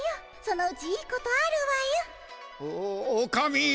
そのうちいいことあるわよ。おおおかみ。